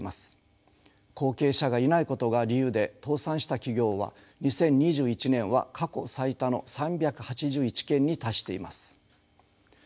後継者がいないことが理由で倒産した企業は２０２１年は過去最多の３８１件に達しています。